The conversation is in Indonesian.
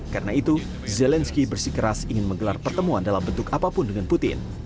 karena itu zelensky bersikeras ingin menggelar pertemuan dalam bentuk apapun dengan putin